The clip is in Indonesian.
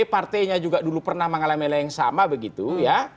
partainya juga dulu pernah mengalami yang sama begitu ya